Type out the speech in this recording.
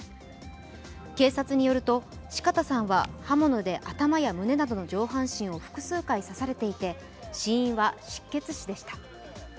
警察によると、四方さんは刃物で頭や胸などの上半身を複数回刺されていて死因は失血死でした。